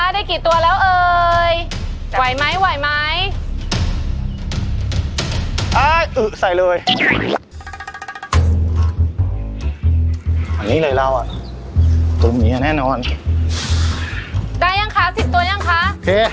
อันนี้เลยเราอ่ะตัวเมียแน่นอนได้ยังคะสิบตัวยังคะ